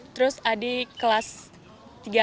terus adik kelas tiga smp sekarang